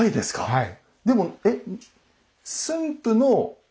はい。